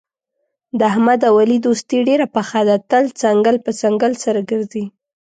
د احمد او علي دوستي ډېره پخه ده، تل څنګل په څنګل سره ګرځي.